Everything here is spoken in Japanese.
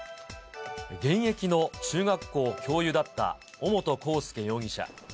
現役の中学校教諭だった尾本幸祐容疑者。